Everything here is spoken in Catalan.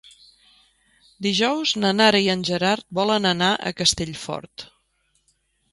Dijous na Nara i en Gerard volen anar a Castellfort.